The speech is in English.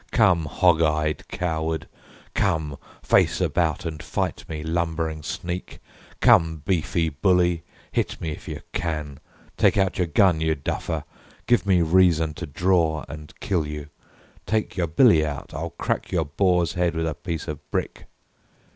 Come, hog eyed coward! Come, face about and fight me, lumbering sneak! Come, beefy bully, hit me, if you can! Take out your gun, you duffer, give me reason To draw and kill you. Take your billy out. I'll crack your boar's head with a piece of brick!"